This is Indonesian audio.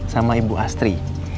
sama ibu astri